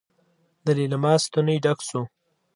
د ليلما ستونی ډک شو.